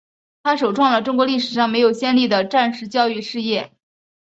它首创了中国历史上没有先例的战时教育事业。